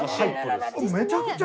めちゃくちゃ。